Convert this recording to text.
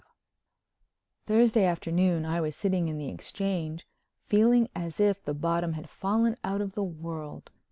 XII Thursday afternoon I was sitting in the Exchange, feeling as if the bottom had fallen out of the world.